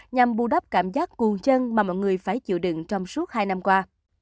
nhằm bù đắp cảm giác cuồng chân mà mọi người phải chịu đựng trong suốt hai năm qua